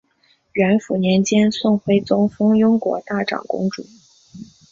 元符年间宋徽宗封雍国大长公主。